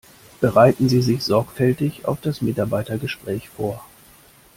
Bereiten Sie sich sorgfältig auf das Mitarbeitergespräch vor!